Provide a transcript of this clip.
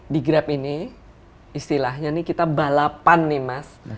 di grab ini istilahnya nih kita balapan nih mas